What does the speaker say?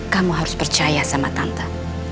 kamu harus percaya sama tante